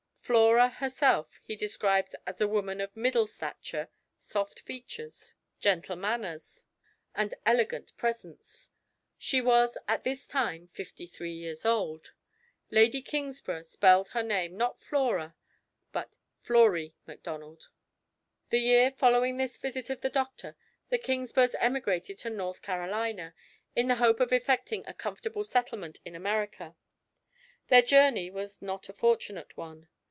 Flora herself he describes as a woman of middle stature, soft features, gentle manners, and elegant presence. She was, at this time, fifty three years old. Lady Kingsburgh spelled her name not "Flora," but "Flory" Macdonald. The year following this visit of the doctor, the Kingsburghs emigrated to North Carolina, in the hope of effecting a comfortable settlement in America. Their journey was not a fortunate one.